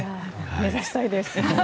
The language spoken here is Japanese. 目指したいです。